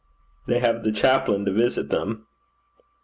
'They have the chaplain to visit them.'